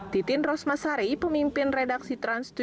titin rosmasari pemimpin redaksi trans tujuh